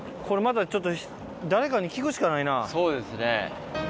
そうですね。